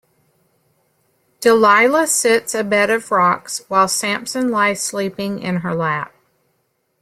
Delilah sits a bed of rocks while Samson lies sleeping in her lap.